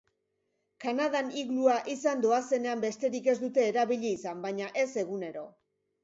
Kanadan iglua ehizan doazenean besterik ez dute erabili izan, baina ez egunero.